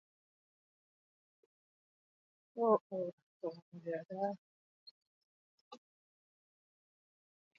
Gainera, test azkarren bitartez ez dute positiborik atzeman.